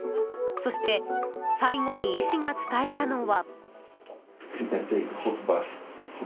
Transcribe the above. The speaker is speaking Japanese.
そして最後に医師が伝えたのは。